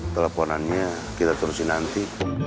teleponannya kita terusin nanti